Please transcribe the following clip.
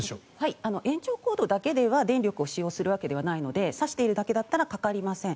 延長コードだけでは電力を使用するわけではないので挿しているだけではかかりません。